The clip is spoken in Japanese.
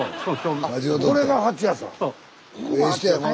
これが蜂屋さん？